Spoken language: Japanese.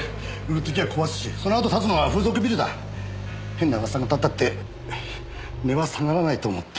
変な噂がたったって値は下がらないと思って。